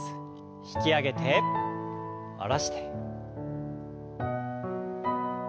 引き上げて下ろして。